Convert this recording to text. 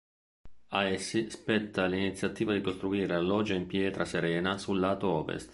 A essi spetta l'iniziativa di costruire la loggia in pietra serena sul lato ovest.